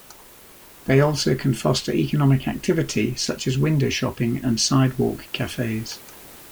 They also can foster economic activity, such as window shopping and sidewalk cafes.